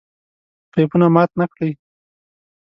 پيپونه مات نکړئ!